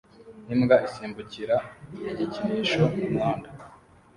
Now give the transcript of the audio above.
Imbwa isimbukira igikinisho mumuhanda